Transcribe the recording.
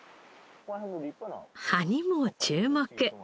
葉にも注目。